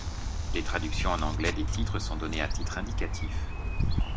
Les traductions en anglais des titres sont données à titre indicatif.